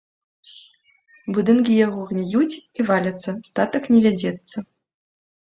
Будынкі яго гніюць і валяцца, статак не вядзецца.